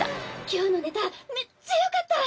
「今日のネタめっちゃ良かった！」